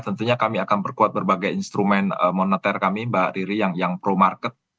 tentunya kami akan perkuat berbagai instrumen moneter kami mbak riri yang pro market